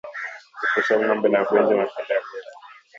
Kuepusha ngombe na ugonjwa wa mapele ya ngozi